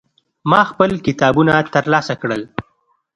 ما خپل کتابونه ترلاسه کړل.